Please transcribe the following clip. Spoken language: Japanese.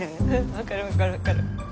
分かる分かる分かる